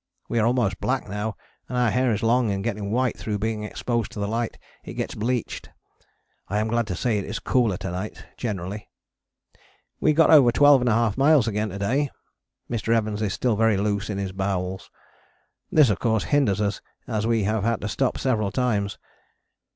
We are almost black now and our hair is long and getting white through being exposed to the light, it gets bleached. I am glad to say it is cooler to night, generally. We got over 12½ miles again to day. Mr. Evans is still very loose in his bowels. This, of course, hinders us, as we have had to stop several times.